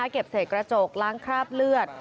เก็บเศษกระจกล้างคราบเลือด